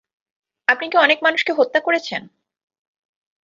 আপনি কি অনেক মানুষকে হত্যা করেছেন?